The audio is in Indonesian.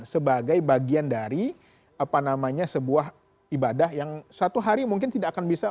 sebagai bagian dari apa namanya sebuah ibadah yang satu hari mungkin tidak akan bisa